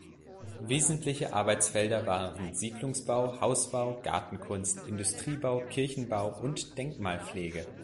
Wesentliche Arbeitsfelder waren Siedlungsbau, Hausbau, Gartenkunst, Industriebau, Kirchenbau und Denkmalpflege.